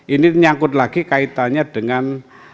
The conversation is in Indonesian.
ini nyangkut lagi kaitannya dengan